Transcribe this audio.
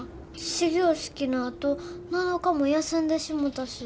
始業式のあと７日も休んでしもたし。